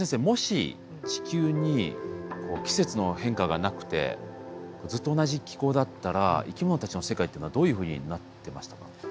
もし地球に季節の変化がなくてずっと同じ気候だったら生き物たちの世界っていうのはどういうふうになってましたか？